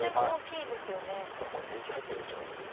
ほらこれ年季入ってるでしょ。